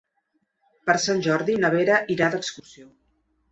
Per Sant Jordi na Vera irà d'excursió.